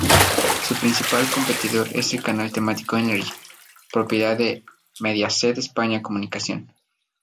Su principal competidor es el canal temático Energy, propiedad de Mediaset España Comunicación.